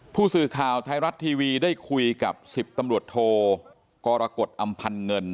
ผู้สื่อข่าวไทยรัฐทีวีได้คุยกับ๑๐ตำรวจโทกรกฎอำพันธ์เงิน